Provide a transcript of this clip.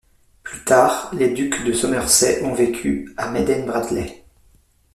Plus tard, les ducs de Somerset ont vécu à Maiden Bradley.